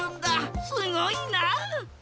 すごいな！